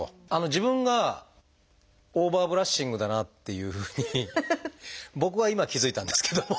自分がオーバーブラッシングだなっていうふうに僕は今気付いたんですけども。